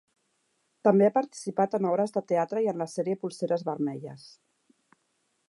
També ha participat en obres de teatre i en la sèrie Polseres vermelles.